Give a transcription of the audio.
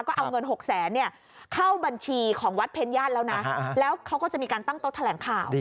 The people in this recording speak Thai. ก็เอาเงิน๖แสนเข้าบัญชีของวัดเพญญาติแล้วนะแล้วเขาก็จะมีการตั้งโต๊ะแถลงข่าว